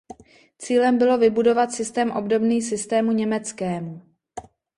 Cílem bylo vybudovat systém obdobný systému německému.